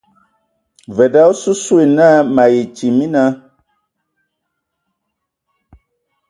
Ve da, osusua ye naa me atie mina.